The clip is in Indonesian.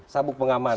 sabuk pengaman ya